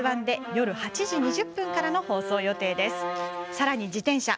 さらに自転車。